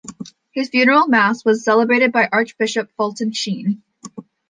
His funeral mass was celebrated by Archbishop Fulton Sheen.